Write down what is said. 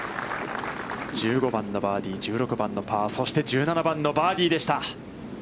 １５番がバーディー、１６番のパー、そして１７番のバーディーでした。